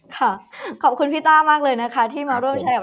ขอบคุณพี่ต้ามากเลยนะคะที่มาร่วมแชร์กับ